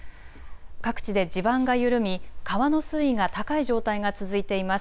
各地で地盤が緩み、川の水位が高い状態が続いています。